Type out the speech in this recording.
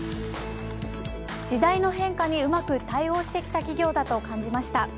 時代の変化にうまく対応してきた企業だと感じました。